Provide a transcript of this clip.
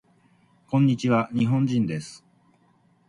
こんにちわ。日本人です。